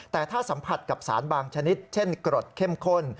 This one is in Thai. แต่ถ้าสัมผัสกับสารบางชนิดเช่นกรดเข้มข้น